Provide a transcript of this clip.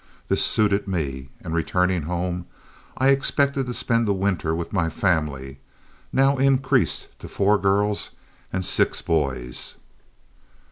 This suited me, and, returning home, I expected to spend the winter with my family, now increased to four girls and six boys.